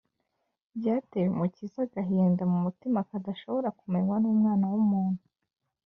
byateye umukiza agahinda mu mutima kadashobora kumenywa n’umwana w’umuntu